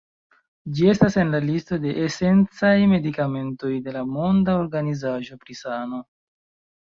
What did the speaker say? Ĝi estas en la listo de esencaj medikamentoj de la Monda Organizaĵo pri Sano.